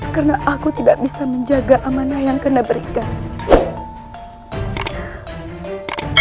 karena aku tidak bisa menjaga amanah yang kena berikan